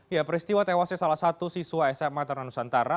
ya peristiwa tewasnya salah satu siswa sma ternanusantara